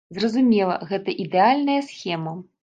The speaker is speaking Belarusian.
Зразумела, гэта ідэальная схема.